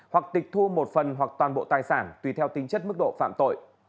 hoặc tịch thu một phần hoặc toàn bộ tài sản tùy theo tính chất mức độ phạm tội